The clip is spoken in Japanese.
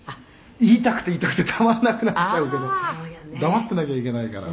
「言いたくて言いたくてたまらなくなっちゃうけど黙ってなきゃいけないから」